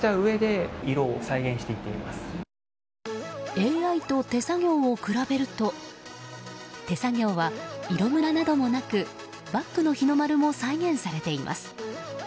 ＡＩと手作業を比べると手作業は色むらなどもなくバックの日の丸も再現されています。